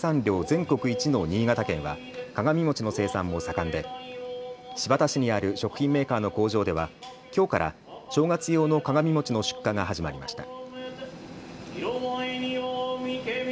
全国一の新潟県は鏡餅の生産も盛んで新発田市にある食品メーカーの工場では、きょうから正月用の鏡餅の出荷が始まりました。